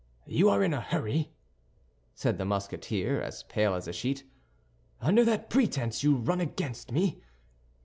"You are in a hurry?" said the Musketeer, as pale as a sheet. "Under that pretense you run against me!